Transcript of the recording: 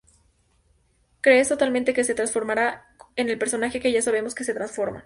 Crees totalmente que se transformará en el personaje que ya sabemos que se transforma".